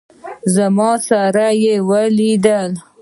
زموږ سره یې ولیدل.